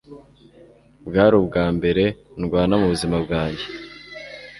Bwari ubwambere nrwana mubuzima bwanjye